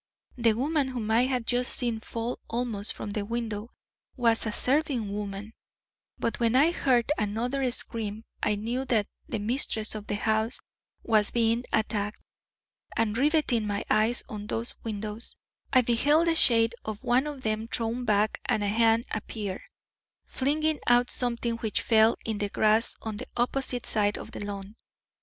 The woman whom I had just seen fall almost from the window was a serving woman, but when I heard another scream I knew that the mistress of the house was being attacked, and rivetting my eyes on those windows, I beheld the shade of one of them thrown back and a hand appear, flinging out something which fell in the grass on the opposite side of the lawn.